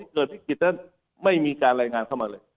เกิดวิกฤตนั้นไม่มีการรายงานเข้ามาเลย